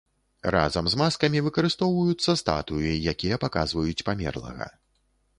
Разам з маскамі выкарыстоўваюцца статуі, якія паказваюць памерлага.